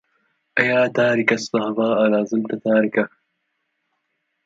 أيا تارك الصهباء لا زلت تاركا